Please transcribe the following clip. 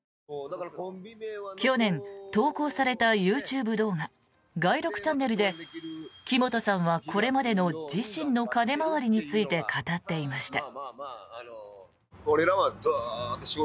去年、投稿されたＹｏｕＴｕｂｅ動画街録ｃｈで木本さんはこれまでの自身の金回りについて語っていました。